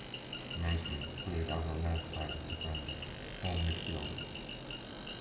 Naysmith played as a left-sided defender or midfielder.